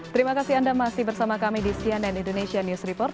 terima kasih anda masih bersama kami di cnn indonesia news report